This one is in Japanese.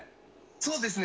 そうですね。